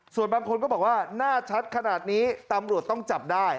ส่วนบางคนก็บอกว่าหน้าชัดขนาดนี้ตำรวจต้องจับได้